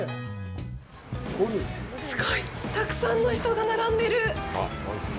すごい、たくさんの人が並んでる。